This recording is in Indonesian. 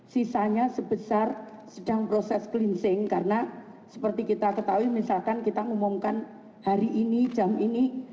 sisanya sebesar sedang proses cleansing karena seperti kita ketahui misalkan kita umumkan hari ini jam ini